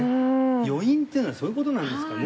余韻っていうのはそういう事なんですかね。